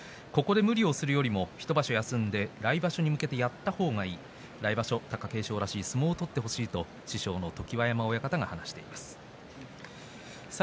ここで無理をするよりも１場所休んで来場所に向けてやった方がいい来場所、貴景勝らしい相撲を取ってほしいと師匠の常盤山親方が言っていました。